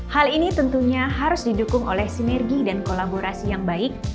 hal ini tentunya harus didukung oleh sinergi dan kolaborasi yang baik